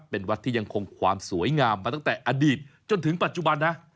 เป็นวัดที่ยังคงความสวยงามมาตั้งแต่อดีตจนถึงปัจจุบันนะ